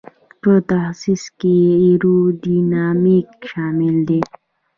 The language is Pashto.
په تخصص کې ایرو ډینامیک شامل دی.